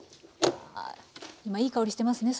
今いい香りしてますね